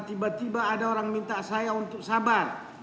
tiba tiba ada orang minta saya untuk sabar